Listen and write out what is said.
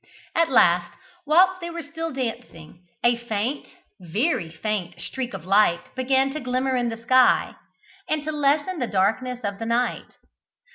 At last, whilst they were still dancing, a faint, very faint streak of light began to glimmer in the sky, and to lessen the darkness of the night.